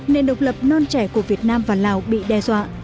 nền độc lập non trẻ của việt nam và lào bị đe dọa